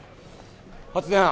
発電班。